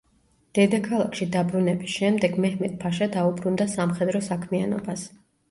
დედაქალაქში დაბრუნების შემდეგ, მეჰმედ-ფაშა დაუბრუნდა სამხედრო საქმიანობას.